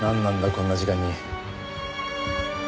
こんな時間に。